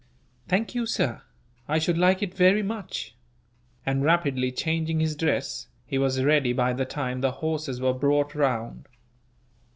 "Thank you, sir; I should like it very much;" and, rapidly changing his dress, he was ready by the time the horses were brought round.